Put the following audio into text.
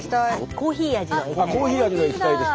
コーヒー味の液体です。